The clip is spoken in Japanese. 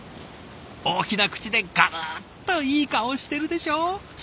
大きな口でガブッといい顔してるでしょ？